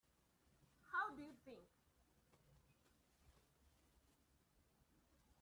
How do you think?